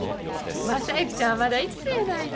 正行ちゃんはまだ５つやないの。